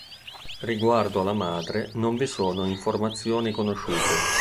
Riguardo alla madre non vi sono informazioni conosciute.